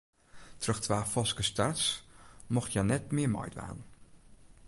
Troch twa falske starts mocht hja net mear meidwaan.